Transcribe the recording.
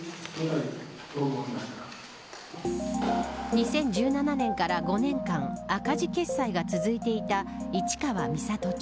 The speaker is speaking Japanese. ２０１７年から５年間赤字決算が続いていた市川三郷町。